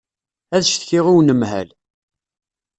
Ad ccetkiɣ i unemhal.